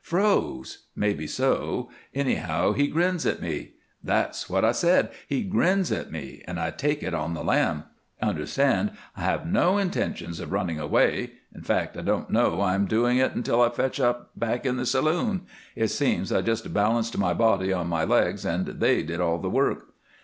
Froze? Maybe so. Anyhow, he grins at me! That's what I said! He grins at me, and I take it on the lam. Understand, I have no intentions of running away in fact, I don't know I'm doing it until I fetch up back in the saloon. It seems I just balanced my body on my legs and they did all the work.